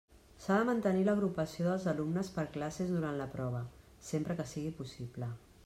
S'ha de mantenir l'agrupació dels alumnes per classes durant la prova, sempre que sigui possible.